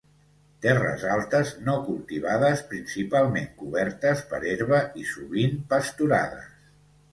Terres altes no cultivades principalment cobertes per herba i sovint pasturades